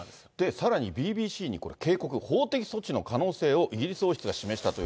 さらにＢＢＣに警告、法的措置の可能性をイギリス王室が示し